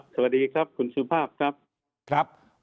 สวัสดีครับคุณสุภาพครับครับ